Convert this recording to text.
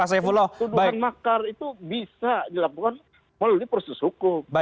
tuduhan makar itu bisa dilakukan melalui proses hukum